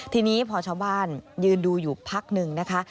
ทีนี้พอชาวบ้านยืนดูอยู่พักหนึ่งนะคะ